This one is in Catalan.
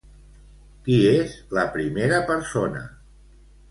Qui és la primera persona?